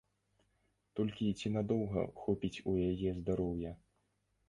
Толькі ці надоўга хопіць у яе здароўя?